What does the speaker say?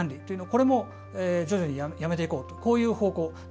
これも徐々にやめていこうとこういう方向。